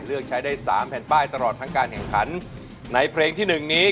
เลือกใช้ได้สามแผ่นป้ายตลอดทั้งการแข่งขันในเพลงที่หนึ่งนี้